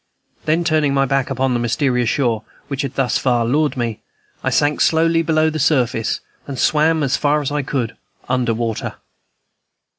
Then, turning my back upon the mysterious shore which had thus far lured me, I sank softly below the surface, and swam as far as I could under water.